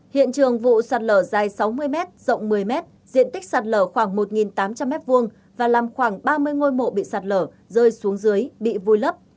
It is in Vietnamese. hiện trường vụ sạt lở dài sáu mươi m rộng một mươi mét diện tích sạt lở khoảng một tám trăm linh m hai và làm khoảng ba mươi ngôi mộ bị sạt lở rơi xuống dưới bị vùi lấp